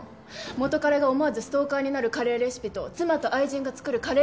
「元カレが思わずストーカーになるカレーレシピ」と「妻と愛人が作るカレー対決」。